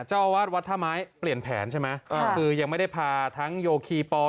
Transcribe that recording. เจ้าอาวาสวัดท่าไม้เปลี่ยนแผนใช่ไหมอ่าคือยังไม่ได้พาทั้งโยคีปอ